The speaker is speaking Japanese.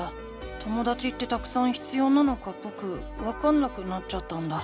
ともだちってたくさん必要なのかぼくわかんなくなっちゃったんだ。